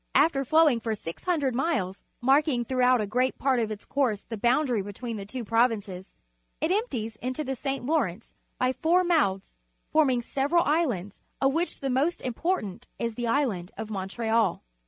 \fter flowing for GOO miles, mark ing throughout a great part of its course the boundary between the two provinces, ^it empties into the St. Lawrence b y f ou r jnouths,^ forming several islands^Jof^wTiich the most uhportant is the Island of Montreal.